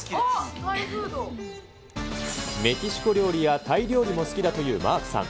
メキシコ料理やタイ料理も好きだというマークさん。